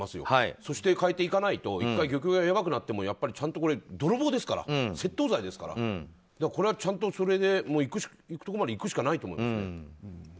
そして、変えていかないと１回、漁協がやばくなっても泥棒ですから窃盗罪ですからこれは行くところまで行くしかないと思う。